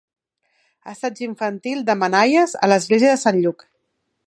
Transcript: Assaig infantil de Manaies a l'església de Sant Lluc.